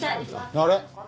あれ？